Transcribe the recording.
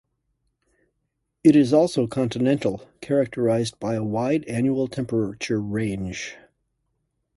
It is also continental, characterized by a wide annual temperature range.